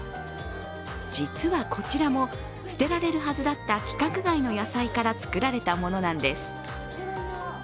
実はこちらも、捨てられるはずだった規格外の野菜から作られたものなんです。